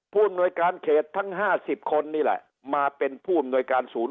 ผู้อำนวยการเขตทั้ง๕๐คนนี่แหละมาเป็นผู้อำนวยการศูนย์